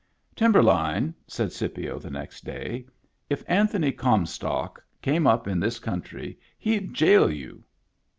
" Timberline," said Scipio the next day, "if Anthony Comstock came up in this country he'd jail you."